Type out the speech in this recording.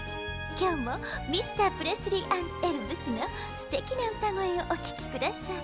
きょうもミスタープレスリー＆エルヴスのすてきなうたごえをおききください。